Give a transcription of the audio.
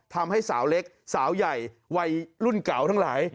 ทำให้สาวเล็กสาวใหญ่วัยรุ่นเก่าทั้งหลาย